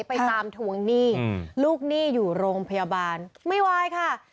ไปตามทวงหนี้ลูกหนี้อยู่โรงพยาบาลไม่ไหวค่ะ